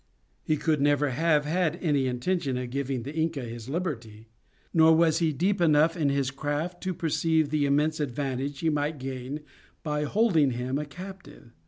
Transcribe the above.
He could never have had any intention of giving the Inca his liberty; nor was he deep enough in his craft to perceive the immense advantage he might gain by holding him a captive.